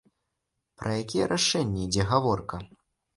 Пра якія рашэнні ідзе гаворка?